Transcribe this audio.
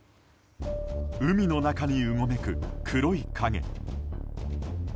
海の中にうごめく黒い影。